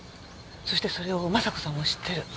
そしてそれを真佐子さんも知ってる。